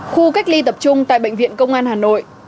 khu cách ly tập trung tại bệnh viện công an hà nội